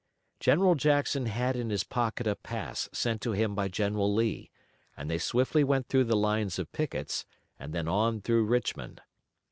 General Jackson had in his pocket a pass sent to him by General Lee, and they swiftly went through the lines of pickets, and then on through Richmond.